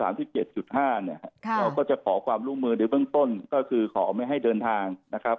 เราก็จะขอความร่วมมือในเบื้องต้นก็คือขอไม่ให้เดินทางนะครับ